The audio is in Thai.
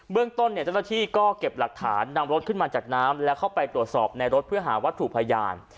เรื่องต้นเนี่ยเจ้าหน้าที่ก็เก็บหลักฐานนำรถขึ้นมาจากน้ำและเข้าไปตรวจสอบในรถเพื่อหาวัตถุพยาน